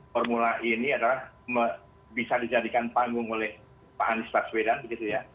formula e ini adalah bisa dijadikan panggung oleh pak anies baswedan begitu ya